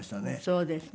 そうですね。